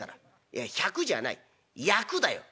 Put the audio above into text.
いや１００じゃない厄だよ」。